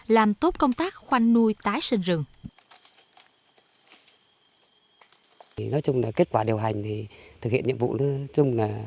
làm tốt công tác khoanh nuôi tái sinh rừng